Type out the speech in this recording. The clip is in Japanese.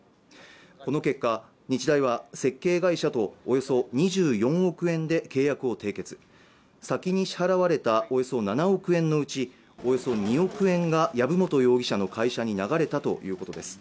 この結果日大は設計会社とおよそ２４億円で契約を締結先に支払われたおよそ７億円のうちおよそ２億円が藪本容疑者の会社に流れたということです